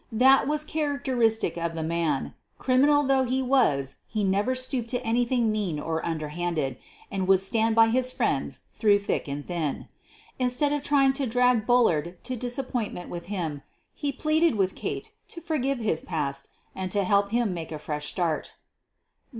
That was characteristic of the man. Criminal though he was, he never stooped to anything mean or underhanded, and would stand by his friends through thick and thin. Instead of trying to drag Bullard to disappointment with him, he pleaded with Kate to forgive his past and to help him make a fresh start.